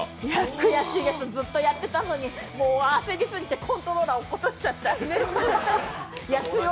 悔しいです、ずっとやってたのに、もう焦りすぎて、コントローラー落っことしちゃった。